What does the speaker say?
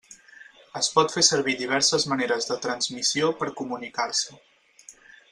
Es pot fer servir diverses maneres de transmissió per comunicar-se.